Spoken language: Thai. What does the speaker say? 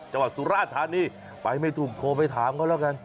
จังหวัดสุราชธานีไปไม่ถูกโทรไปถามเค้าแล้วกัน